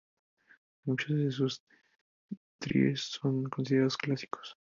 Muchos de sus tries son considerados clásicos.